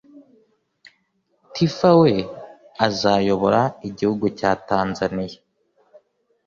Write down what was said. Tiffah we azayobora igihugu cya Tanzaniya